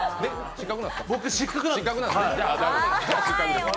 僕、失格なんです。